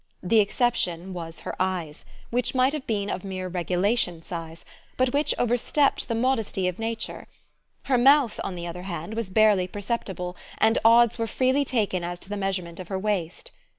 The exception was her eyes, which might have been of mere regulation size, but which overstepped the modesty of nature; her mouth, on the other hand, was barely perceptible, and odds were freely taken as to the measurement of her waist.